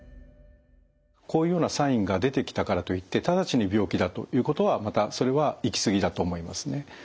こういうようなサインが出てきたからといって直ちに病気だということはまたそれは行き過ぎだと思いますね。